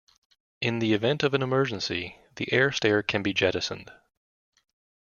In the event of an emergency, the air stair can be jettisoned.